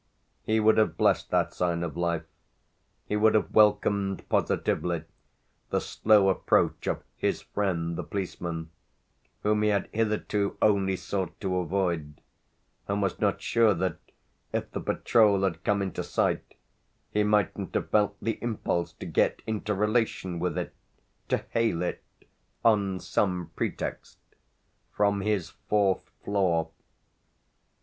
He would have blessed that sign of life; he would have welcomed positively the slow approach of his friend the policeman, whom he had hitherto only sought to avoid, and was not sure that if the patrol had come into sight he mightn't have felt the impulse to get into relation with it, to hail it, on some pretext, from his fourth floor.